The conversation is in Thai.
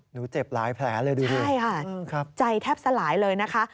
เจ็บหลายแผลเลยดูดิใช่ค่ะใจแทบสลายเลยนะคะ